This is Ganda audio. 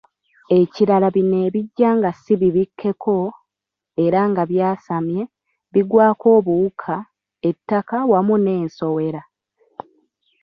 Ekirala bino ebijja nga si bibikkeko, era nga byasamye, bigwako obuwuka, ettaka wamu nensowera